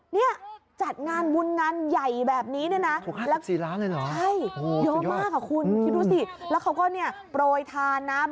เนี่ยจัดงานบุญงานใหญ่แบบนี้เนี่ยนะ